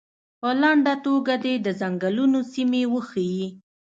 په لنډه توګه دې د څنګلونو سیمې وښیي.